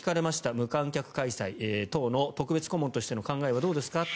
無観客開催党の特別顧問としての考えはどうですか？